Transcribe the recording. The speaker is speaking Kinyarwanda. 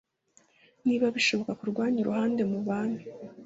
niba bishoboka ku rwanyu ruhande mubane